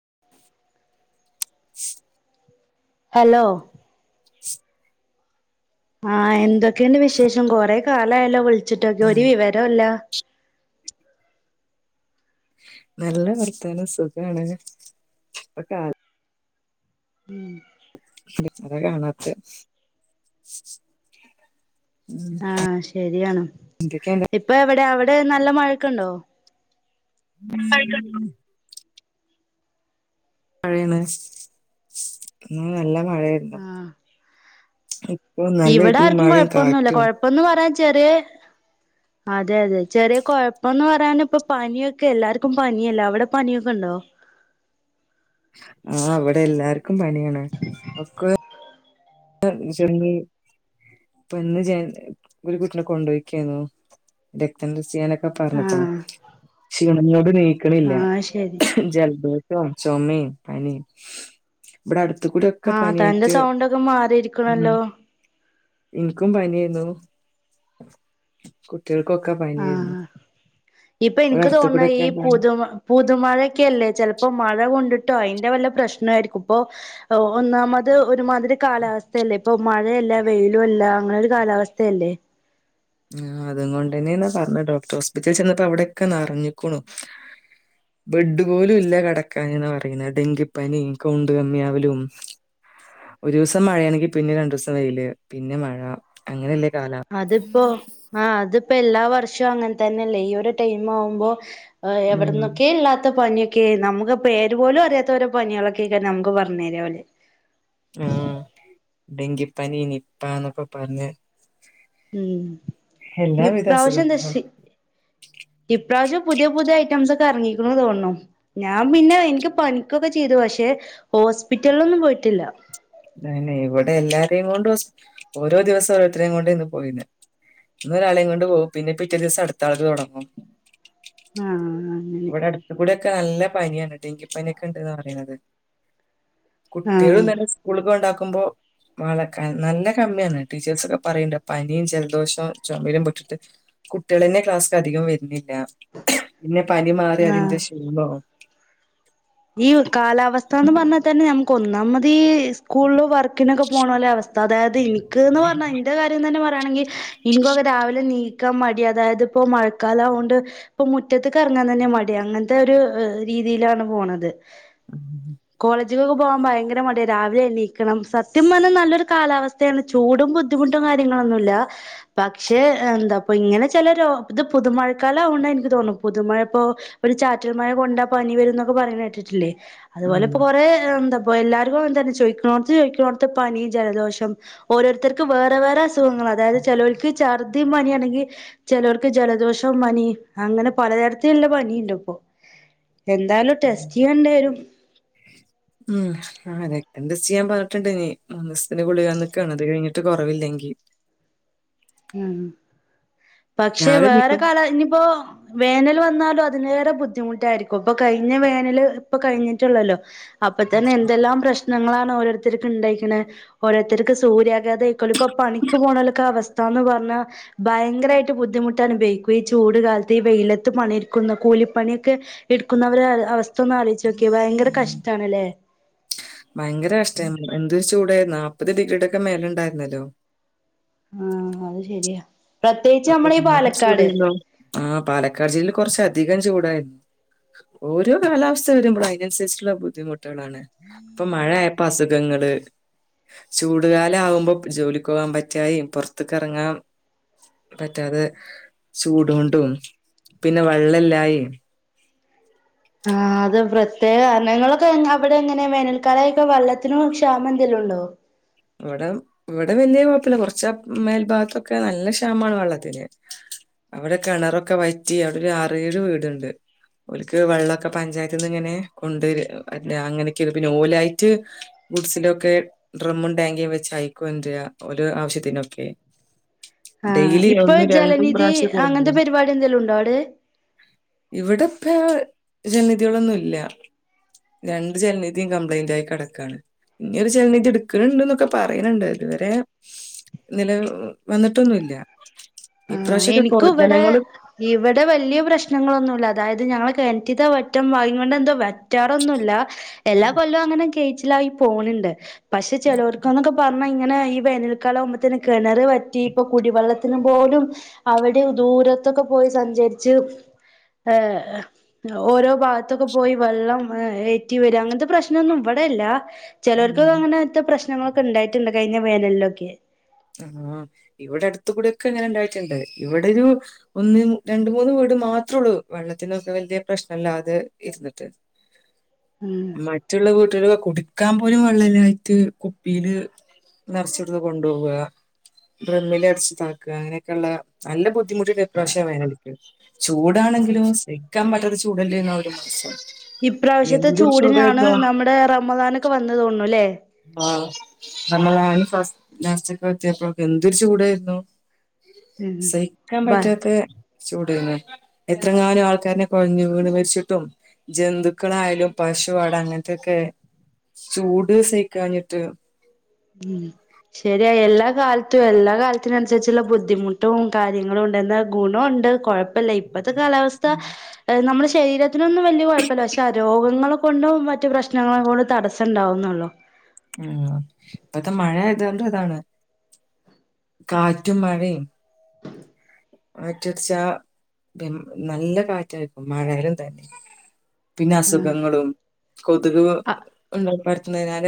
[unintelligible] Hello ആഹ എന്തൊക്കെയണ്ട് വിശേഷം കൊറെ കാലായല്ലോ വിളി ച്ചിട്ടൊക്കെ ഉം ഒരു വിവരെ ഇല്ല നല്ല വർത്താനം സുഖമാണ് ഇപ്പൊ കാ ഉം ഇപ്പഴ കാണാത്തെ ഉം ആഹ ശരിയാണ് എന്തൊക്കെണ്ട് ഇപ്പൊ എവിടെയ അവള് ഇവിടെ നല്ല മഴക്കുണ്ടോ [unintelligible] മഴയാണ് എന്ന നല്ല മഴയായിരുന്നു ആഹ ഇപ്പൊ നല്ല ഇവിടെ ഇടിയും ആർക്കും മഴയും കൊഴപ്പൊന്നുമല്ല കാറ്റും കൊഴപ്പന്ന് പറ ചെറിയ അതെ അതെ ചെറിയ കുഴപ്പംന്ന് പറയാന ഇപ്പ പനിയൊക്കെ എല്ലാർക്കും പനിയല്ലേ അവിടെ പനിയൊക്കെ ഉണ്ടോ ആഹ അവിടെ എല്ലാർ ക്കും പനിയാണ് ഒക്കൊ ഇപ്പം [unintelligible] ഇപ്പൊ ഇന്ന് ഒരു കുട്ടിനെ കൊണ്ടുപോയിക്കായിരുന്നു രക്തം ടെസ്റ്റ്‌ ചെയ്യാനൊക്കെ ഇപ്പ പറഞ്ഞപ്പോ ആഹ് ക്ഷീണണിയോട് നീക്കണില്ല ആഹ് ശരി ജലദോ ശം ചോമേം പനീം ആഹ തന്റെ സൗണ്ട ഒക്കെ മാറിരി ഉം എനിക്കും പനി എന്തോ കു ആ ആ ഇപ്പൊ ഇവിടെ എനിക്ക് അടുത്ത് തോണുന്നേ കൂടെ ഈ ഒക്കെ പുതു പുതുമഴക്കല്ലേ ചെലപ്പോ മഴ കൊണ്ടിട്ട് ട്ടോ അതിന്റെ വല്ല പ്രശ്നയിരിക്കും ഇപ്പോ ഒന്നാമത് ഒരുമതി രി കാലാവസ്ഥയല്ലേ ഇപ്പോ മഴയല്ല വെയിലും അല്ല അങ്ങനെ ഒരു കാലാവസ്ഥയല്ലേ ആ അത് കൊണ്ട് തന്നെണ് പറഞ് ഡോക്ടർ ഹോസ്പിറ്റൽ ചെന്നപ്പോ അവിടെയൊക്കെ നറഞ്ഞുക്കുണു ബെഡ് പോലും ഇല്ല കെടക്കാൻ പറയുന്ന ഡെങ്കിപ്പനി കൗണ്ട് കമ്മിയാവലും ഒരുസം മഴയാണെങ്കി പിന്നെ രണ്ടുസം വെയില് പിന്നെ മഴ അങ്ങനെയല്ല കാല അതിപ്പോ [unintelligible] ആ അത് ഇപ്പൊ എല്ലാ വർഷവും അങ്ങനെ തന്നെയല്ലേ ഈ ഒരു ടൈം ആവുമ്പോ ഉം എവിടന്നൊക്കെ ഇല്ലാത്ത പനിയെ ക്കേ നമുക്ക് പേര് പോലും അറിയാത്ത ഓരോ പനി കളൊക്കെ നമുക്ക് പറഞ്ഞു തരാ ഓല് ആഹ് ഡെങ്കിപ്പനി നിപ്പന്നൊക്കെ പർഞ് ഉം ഇപ്രാവശ്യം ന്താ ഷി അസുഖങ്ങളുണ്ട്. ഇപ് പ്രാശ്യം പുതിയ പുതിയ ഐറ്റംസ് ഒക്കെ ഇറങ്ങിക്ണൂന്നുർഞു. ഞാൻ പിന്നെ ഇൻക്ക് പനിക്കൊക്കെ ചെയ്തു പക്ഷെ ഹോസ്പിറ്റൽലൊന്നും പോയിട്ടില്ല. ദേന്നെ ഇവടെ എല്ലാരെയും കൊണ്ടു ഓസ് ഓരോ ദിവസം ഒരോര്ത്തരെയും കൊണ്ട്ന്ന് പോയീന്നെ ന്ന് ഒരാളെയും കൊണ്ട് പോഉ പിന്നെ പിറ്റേ ദിവസം അടുത്ത ആള്ത് തുടങ്ങും. ആഹ് അങ്ങനെ ഇവടെ അടുത് കൂടെക്കെല്ല പനിയാണ് ടങ്കിപ്പനി ക്കെണ്ട്ന്നർഞ്ഞീണത് ആഹ് കുട്ടികളുംന്നന്നെസ് കൊണ്ടാക്കുമ്പോ മഴ ക നല്ല കമ്മിയാണ് ടീച്ചേഴ്സ്ക്കെ പറയിണ്ട് പനിയും ജലദോഷവും ചുമലും പൊട്ടിട്ട് കുട്ടികളെന്നെ ക്ലാസ് ല് അധികം വരുന്നില്ല യാ പിന്നെ പനി മാറി അതിന്റെ ശീനോ ഈവ് കാലാവസ്ഥന്ന് പറഞ്ഞാ തന്നെ നമുക്ക് ഒന്നാമതീ സ്കൂൾല് വർക്കിനൊക്കെ പോണോലെ അവസ് അതായത് ഇന്ക്ക്ന്ന് വർഞ്ഞ ന്റെ കാര്യം തന്നെ പറയാൻ ഇൻക്കൊക്കെ രാവിലെ നീ ക്ക മടിയാ അതായത് ഇപ്പോ മഴക്കാല ആവോണ്ട് ഇപ്പൊ മുറ്റത്തക്ക്റങ്ങാൻ തന്നെ മടി അങ്ങനത്തെ ഒരു ഏഹ് രീതിയിലാണ് പോണത് ഉം കോളേജിലൊക്കെ പോകാൻ ഭയങ്കര മടിയ രാവിലെ എണീക്കണം സത്യം പറഞ്ഞാൽ നല്ലൊരു കാലാവസ്ഥയാണ് ചൂടും ബുദ്ധിമുട്ടും കാര്യങ്ങളൊന്നുല്ല പക്ഷേ എന്താപ്പ ഇങ്ങനെ ചില ഇത് പുതുമഴക്കാലം ആവണ്ട എനിക്ക് തോന്നും പുതുമഴ ഇപ്പോ ഒരു ചാറ്റൽ മഴ കൊണ്ടാ പനി വര എന്നൊക്കെ പറയണ ട്ടിട്ട് ല്ലേ അതുപോലെ ഇപ്പൊ ഉം, കൊറെ എന്താ എല്ലാർക്കും അങ്ങനെതന്നെ ചോദിക്കണോടത്ത് ചോദിക്കണോടത്ത് പനി ജലദോഷം ഓരോരുത്തർക്ക് വേറെ വേറെ അസുഖങ്ങളാ അതായത് ചെലോൽക്ക് ചഛർദി പനിയാണെങ്കിൽ ചെലോൽക്ക് ജലദോഷം പനി അങ്ങനെ പലതരത്തിലുള്ള പനിയിണ്ട് ഇപ്പൊ എന്താണ് ടെസ്റ്റ് ഉം. ഉം ആഹ് അതെ എന്താ ചെയ്യാൻ പറഞ്ഞിട്ടുണ്ട് ഇനി മൂന്നിസിന് ഗുളിക തന്ന്ക്കാണ് അത് കഴിഞ്ഞിട്ട് കുറവില്ലെങ്കി ആഹ് പക്ഷെ രാവിലെ വേറ എണീക്കും കാല ഇനിപ്പോ വേനൽ വ ന്നാലും അതിനേറെ ബുദ്ധിമുട്ടായിരിക്കും ഇപ്പൊ കഴിഞ്ഞ വേനല് ഇപ്പൊ കഴിഞ്ഞിട്ടുള്ളല്ലോ അപ്പൊ തന്നെ എന്തെല്ലാം പ്രശ് ങ്ങളാണ് ഓരോരുത്തർക്ക് ഉണ്ടായിരിക്കുന്നത് ഓരോരുത്തർക്ക് സൂര്യാഘാതം ഏക്കല്ലും ഇപ്പൊ പണിക്ക് പോകണൊക്കെ അവസ് ന്ന പറഞ്ഞാ ഭയങ്കരായിട്ട് ബുദ്ധിമുട്ട് അനുഭവിക്കും ഈ ചൂട് കാലത്ത് ഈ വെയിലത്ത് പണി എടുക്കുന്ന കൂലിപ്പണിയൊക്കെ എടുക്കുന്നവരുടെ അവസ്ഥ ഒന്ന ആലോച കിയെ ഭയങ്കര ഉം, കഷ്ടാണല്ലേ എന്ത് ചൂടായിരുന്ന് നാപത് ഡിഗ്രീടൊക്കെ മേല ഉണ്ടായിരുന്നല്ലോ. ആഹ് അത് ശരിയാ പ്രത്യേകിച്ച് അപ്പൊ നമ്മളെ ഈ പാലക്കാട് [unintelligible] ആഹ് പാലക്കാട് ജില്ല കുറച്ച അധികം ചൂടായിരുന്നു ഓരോ കാലാവസ്ഥ വരുമ്പോള് അതിനനുസരിച്ചുള്ള ബുദ്ധിമുട്ടുകളാണ് ഇപ്പൊ മഴയായപ്പോ അസുഖങ്ങള് ചൂടുകാലം ആകുമ്പോ ജോലിക്ക് പോകാൻ പറ്റായികേം പൊറത്തക്കെറങ്ങാൻ പറ്റാതെ ചൂട് കൊണ്ടും പിന്നെ വെള്ളല്ലായ്കയും ആ അത് പ്ര തേകാരണങ്ങളൊക്കെ അവിടെ എങ്ങനെ വേനൽക്കാലയ്ക്കെ വെള്ളത്തിനും ക്ഷാമം എന്തെലുണ്ടോ ഇവടെ ഇവടെ പിന്നെ കൊഴപ്പല്ല കൊർച്ച മേൽഭാഗത്തൊക്കെ നല്ല ക്ഷാമാണ് വെള്ളത്തിന് അവടെ കെണറൊക്കെ വറ്റി അവിടെ ഒരു ആറേഴ് വീട്ണ്ട് ഓൽക്ക് വെള്ളൊക്കെ പഞ്ചായത്തിന്ന് ഇങ്ങനെ കൊണ്ട വര അങ്ങനെയൊകണ് പിന്നെ ഓലായിട്ട് ഗുഡ്സിലൊക്കെ ഡ്രമ് ടാങ്ങി വെച്ച് അയ്കൊണ്ടര ഓലെ ആവശ്യത്തിനൊക്കെ ആ ഡെയിലി ഇപ്പൊ ഒന്നും രണ്ടും ജലനിധി പ്രാവശ്യം കൊടുക്കുന്നു അങ്ങൻത്തെ പരിപാടി എന്തെലും ഉണ്ടോ അവ്ട് ഇവിടെപ്പെ ജല നിധികളൊന്നുംല്ല രണ്ട് ജലനിധിയും കംപ്ലൈന്റ് ആയി കെടക്കാണ് ഇനി ഒരു ജലനിധി ഇട്ക് ക്കല്ണ്ട്ന്നൊക്കെ പറിണിണ്ട് ഇതുവരെ നില വന്നിട്ടൊന്നുല്ല ആ എനിക്കുവടെ ഇവടെ വല്യ പ്രശ്നങ്ങളൊന്നുല്ല അതായത് ഞങ്ങള് കെൺറ്റിതെ വറ്റം ഭാഗ്യം കൊണ്ട് എന്തോ വറ്റാറൊന്നുല്ല എല്ലാ കൊല്ലവും അങ്ങനെ കെയ്ച്ചിലായി പോണണ്ട് പക്ഷെ ചെലോർക്ക്ന്നൊക്കെ പർ ണ ഇങ്ങനെ ഈ വേനൽക്കാലം ആകുമ്പത്തന്നെ കെണറ് വറ്റി ഇപ്പൊ കുടിവെള്ളത്തിന് പോലും അവിടും ദൂരത്തൊക്കെ പോയി സഞ്ചരിച്ച് ഏഹ് ഓരോ ഭാഗത്തൊക്കെ പോയി വെള്ളം ഏറ്റി വരും അങ്ങൻത്തെ പ്രശ്നൊന്നും ഇവടെല്ല ചെലര്ക് ഉം. അങ്ങനത്തെ പ്രശ് ഞങ്ങൾക്കണ്ടായിട്ട്ണ്ട് കയ്ഞ്ഞ വേനൽലൊക്കെ ആഹ് ഇവടെ അട്ത്തു കൂടൊക്കെ ഇങ്ങനെ ഇണ്ടായിട്ട്ണ്ട് ഇവടൊരു ഒന്ന് രണ്ട് മൂന്ന് വീട് മാത്രേള്ളു വെള്ളത്തിനൊക്കെ വല്യ പ്രശ്ന ല്ലാതെ പ്രശ്നല്ലാതെ ഇരുന്നിട്ട് ഉം മറ്റുള്ള വീട്ടലു കുടി [unintelligible] പോലും വെള്ളല്ലായിട്ട് കുപ്പിയില് നേർച്ചി ഇവ്ട്ന്ന് കൊണ്ടോവാ ഡ്രമ്മിൽ അടച്ച്താക്കാ അങ്ങനെയൊകൊള്ള നല്ല ബുദ്ധിമുട്ടുണ്ട് ഈ പ്രാവശ്യ വേനല്ക്ക് ചൂടാണെങ്കിലോ സഹിക്കാൻ പറ്റാത്ത ചൂടല്ലേ എന്ന ഒരു മാസം. ഇപ്രാവശ്യത്തെ എന്തൊരു ചൂടിനാണ് ചൂടായിരുന്നു നമ്മുടെ റമളാനോക്കെ വന്നു തോന്നൂണു ല്ലേ ആ റമളാൻ ഫസ് ലാസ്റ്റക്ക എത്തിയപ്പോകെ എന്തൊരു ചൂടായിരുന്നു. ഉം സഹിക്കാൻ ബ പറ്റാത്ത ചൂട് യിര്ന്നു എത്രങ്ങാനും ആൾക്കാരനെ കുഴഞ്ഞു വീണ് മരിച്ചിട്ടും ജന്തുക്കളായാലും പശു ആട് അങ്ങനത്തൊക്കെ ചൂട് സ കാഞ്ഞിട്ട് ഉം ശരിയ എല്ലാ കാ റ്റ് എല്ലാ കാലത്തിന് അനുസരിച്ചുള്ള ബുദ്ധിമുട്ടും കാര്യങ്ങളും ഉണ്ടെന്ന ഗുണണ്ട് കുഴപ്പല്ല ഇപ്പത്തെ കാലാവസ്ഥ ഉം. ഏഹ് നമ്മള് ശരീരത്തിനൊന്നും വല്ല്യ കുഴപ്പല്ല പക്ഷെ രോഗങ്ങളെ കൊണ്ടും മറ്റു പ്രശ്നങ്ങളെ കൊണ്ട് തടസ്സണ്ടാവുന്നുള്ളു. ഉം ഇപ്പത്തെ മഴ [unintelligible] താണ് കാറ്റും മഴയും കാറ്റടച്ചാ നല്ല പി കാറ്റായിരിക്കും [unintelligible] പിന്നെ അസുഖങ്ങളും കൊതുക് [unintelligible] [unintelligible]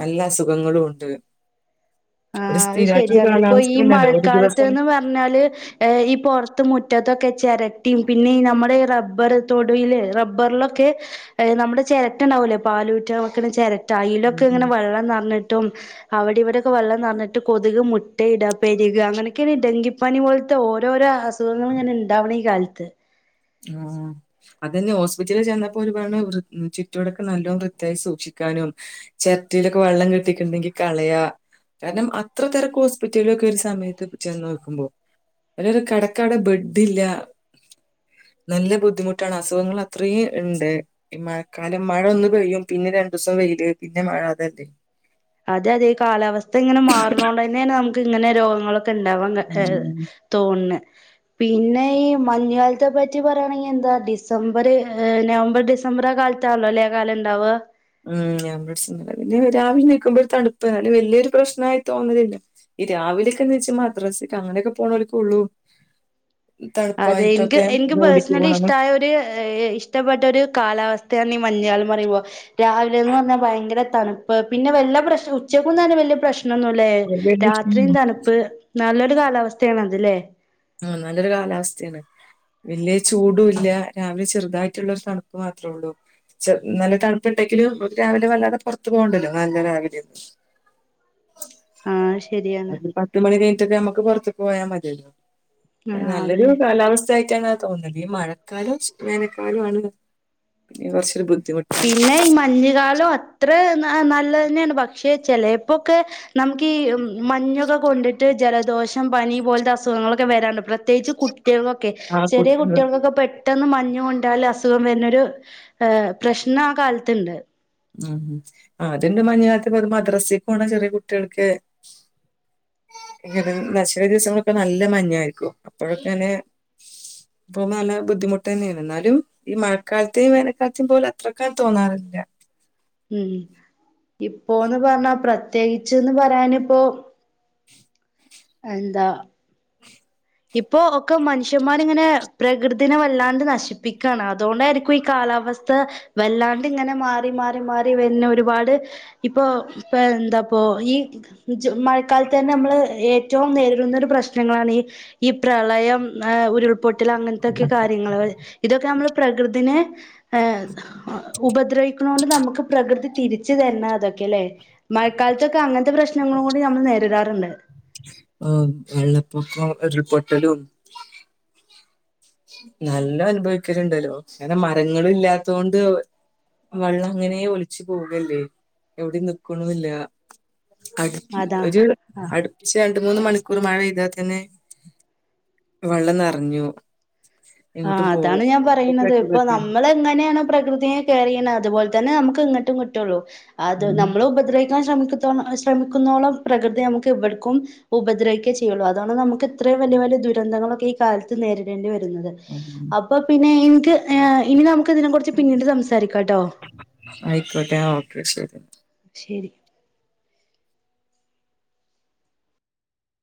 നല്ല അസുഖങ്ങളും ഉണ്ട് ഒരു സ്ഥിരായി യ ഇപ്പോ ഈ മഴക്കാലത്ത്ന്ന് പറഞ്ഞാല് ഈ പോർത്ത് മുറ്റത്ത് ചെരട്ടിം പിന്നെ നമ്മടെ ബ്ബറ് തൊടുല് റബ്ബർലൊക്കെ നമ്മടെ ചെരട്ട ഉണ്ടാവൂല്ലേ പാലൂറ്റാം വെക്ക്ണേ ചെര ടൈലൊക്കെ ഉം, ഇങ്ങനെ ഉം. വെള്ളം നെർഞ്ട്ടും അവിടെ [unintelligible] വെള്ളം നെറഞ്ഞിട്ട് കൊതുക് മുട്ടയിടാ പെരുകാ അങ്ങനൊക്കെയാണ് ഡെങ്കിപ്പനി പോലത്തെ ഓരോരോ അ അസുഖങ്ങള് ഇങ്ങനെ ഇണ്ടാവ്നെക്കാരം ത്ത് ആ അതന്നെ ഹോസ്പിറ്റലിൽ ചെന്നപ്പോ ഒരു പെണ്ണ് ചുറ്റുവാടൊക്കെ നല്ലോണം വൃത്തയായി സൂക്ഷിക്കാനും ചെര്ട്ടിലൊക്കെ വെള്ളം കെട്ടിക്ക്ണ്ടെങ്കി കളയാ കാരണം അത്ര തെരക്ക് ഹോസ്പിറ്റൽലൊക്കെ ഒരു സമയത്ത് ചെന്ന് നോക്കുമ്പോ അല്ല ഒര് കടക്കവിടെ ബെഡില്ല നല്ല ബുദ്ധിമുട്ടാണ് അസുഖങ്ങള് അത്രേം ഇണ്ട് ഈ മഴക്കാലം മഴ ഒന്ന് പെയ്യും പിന്നെ രണ്ടുസം വെയ്ല് പിന്നെ മഴ അതല്ലേ അതെ അതെ കാലാവസ്ഥ ഇങ്ങനെ മാർണോണ്ട് തന്നെ [unintelligible] ക്ക് ഇങ്ങനെ രോഗങ്ങള് ക്കെ ഇണ്ടാവാൻ ഉം. തോൻണ് പിന്നെ ഈ മഞ്ഞുകാലത്തെ പറ്റി പറയാണെങ്കി എന്താ ഡിസംബറ്, നവംബർ, ഡിസംബർ ആ കാലത്താണല്ലോ അല്ലേ കാലം ഇണ്ടാവാ ഉം ഞ പിന്നെ രാവിലെ നിക്കുമ്പോ ഒരു തണുപ്പാ വല്യയൊരു പ്രശ്നമായി തോന്ന്ന്നില്ല ഈ രാവിലെക്കെന്ന് വെച്ചാ മദ്രാസക്ക് അങ്ങനെക്കെ പോണോൽക്കെള്ളൂ അതെ ഇൻക്ക് എൻക്ക് പേഴ്സണലി പോണത് ഇഷ്ടായ ഒര് ഇഷ്ടപ്പെട്ട ഒരു കാലാവസ്ഥയാണ് മഞ് കാലം പറയുമ്പോ രാവിലെന്ന് പറഞ്ഞാ ഭയങ്കര തൺപ്പ് പിന്നെ വല്ല പ്രശ്ം ഉച്ചയ്ക്കും തന്നെ വലിയ പ്രശ് ന്നന്നുല്ലേ രാത്രിയും തണുപ്പ് നല്ലൊരു കാലാവസ്ഥയാണ് തിലേ ആ നല്ലൊരു കാലാവസ്ഥയാണ് വല്യയെ ചൂടുല്ല രാവിലെ ചെറുതായിട്ടുള്ളരു തണുപ്പ് മാത്രള്ളൂ ചെ നല്ല തണുപ്പ്ണ്ടെങ്കിലും രാവിലെ വല്ലാതെ പൊർത്തു പോകണ്ടല്ലോ നല്ല രാവിലെന്ന് ആ ശരിയാണ് ഒരു പത്ത് മണി കഴിഞ്ഞട്ടക്കെ നമ്മക്ക് പൊർത് പോയാ മത്യല്ലോ ആ നല്ലൊരു അത് കാലാവസ്ഥ ആയ് ത്തെ തോന്നല് ഈ മഴക്കാലം വേനൽക്കാലോ ആണ് പിന്നെ കൊർച്ചൊരു ബുദ്ധി പിന്നെ ഇ മഞ്ഞുകാലം അത്ര വ നല്ലതന്ന്യാണ് പക്ഷെ ചെലേപ്പൊക്കെ നമ്ക്കി മഞ്ഞൊകെ കൊണ്ടിട്ട് ജലദോഷം പനി പോൽത്തെ അസുഖങ്ങ വരാണ് പ്രത്യേകിച്ച് കുട് കുട്ട്യേൾക്കൊക്കെ ആ ചെറിയ കുട്ടികൾ കുട്ട്യേൾക്കൊക്കെ പെട് ട്ടെന്ന് മഞ്ഞു കൊണ്ടാല് അസുഖം വര്ന്നൊരു പ്രശ്നം ആ കാലത്ണ്ട് ഉം അത്ണ്ട് മഞ്ഞു കാലത്ത് പ്പൊ മദ്രസേക്ക് പോണ ചെറ്യേ കുട്ട്യേൾക്ക് [unintelligible] ദിവസങ്ങളൊക്കെ നല്ല മഞ്ഞായിരിക്കും അപ്പോഴൊക്കെങ്ങനെ ഇപ്പ നല്ല ബുദ്ധിമുട്ടന്നെയാണ് എന്നാലും ഈ മഴക്കാലത്തെയും വേനൽക്കാലത്തെയും പോലും അത്രക്കാണ്ട് തോന്നാറില്ല ഉം ഇപ്പോന്ന് പർഞ്ഞാ പ്രത്യേകിച്ച്ന്ന് പറയാനിപ്പൊ എന്താ ഇപ്പൊ ഒക്കെ മനുഷ്യന്മാരിങ്ങനെ പ്രകൃതിനെ വല്ലാണ്ട് നശിപ്പി- കാണെ. അതുകൊണ്ടായിരിക്കും ഈ കാലാവസ ത വല്ലാണ്ട് ഇങ്ങനെ മാറി മാറി മാറി വരുന്ന ഒരുപാട് ഇപ്പൊ ഇപ്പ എന്താപ്പ ഈ മഴക്കാലത്ത് തന്നെ നമ്മള് ഏ- ഏറ്റവും നേരിടുന്ന ഒരു പ്രശ്നങ്ങളാണ് ഈ ഈ പ്രളയം ആ ഉരുൾ പൊട്ടല് അങ്ങനത്തൊക്കെ കാര്യങ്ങള് ഇതൊക്കെ നമ്മൾ പ്രകൃതിനെ ഉപദ്രവിക്കുന്നൊണ്ട് നമുക്ക് പ്രകൃതി തിരിച്ചു തരണതാ അതൊക്കെ അല്ലേ മഴക്കാലത്തൊക്കെ അങ്ങനെ പ്രശ്നങ്ങളും കൂടി നമ്മൾ നേരിടാ ണ്ട് ആ വെള്ളപ്പൊക്കം ഉരുൾപൊട്ടലും നല്ല അനുഭവിക്കലുണ്ടല്ലോ കാരണം മരങ്ങളും ഇല്ലാത്ത കൊണ്ട് വെള്ളം അങ്ങനെ ഒലിച്ച് പോകേണ്ടേ എവിടെം നിക്കണൂല്ല അതാ ഒരു ആഹ് അടിപ്പിച്ച് രണ്ട് മൂന്ന് മണിക്കൂർ മഴ പെയ്താൽ തന്നെ വെള്ളം നിറഞ്ഞു ആ എങ്ങോട്ടും പോ അതാണ് ഞാൻ പറയുന്നത് ഇപ്പൊ ഉം നമ്മൾ എങ്ങനെയാണ് പ്രകൃതിയെ കെയർ ചെയ്യണ അതുപോലെ തന്നെ നമുക്ക് ഇങ്ങട്ടും കിട്ടുള്ളൂ അത് നമ്മള ഉപദ്രവിക്കാൻ ശ്രമിക്കും ശ്രമിക്കുന്നോളം പ്രകൃതി നമുക്ക് ഇവിടക്കും ഉപദ്രവിക്കുക ചെയ്യുള്ളൂ അതാണ് നമുക്ക് ഇത്രയും വലിയ വലിയ ദുരന്തങ്ങളൊക്കെ ഈ കാലത്ത് നേരിടേണ്ടി വരുന്നത്. അപ്പൊ പിന്നെ ഈ ഇനി നമുക്ക്‌ ഇതിനെ കുറിച്ച് പിന്നീട് സംസാരിക്കാം ആയിക്കോട്ട ഓക്ക ശരി [inaudible] ശരി